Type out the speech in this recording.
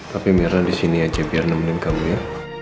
tapi mirna di sini aja biar nemenin kamu ya